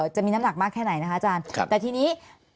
จะมีน้ำหนักมากแค่ไหนนะคะอาจารย์แต่ทีนี้